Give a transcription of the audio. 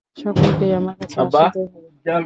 সকলকেই আমার কাছে আসিতে হইবে।